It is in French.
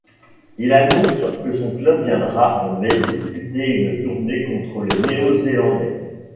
Il annonce que son club viendra en mai disputer une tournée contre les Néo-Zélandais.